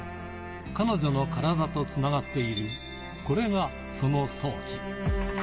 彼女の体と繋がっている、これがその装置。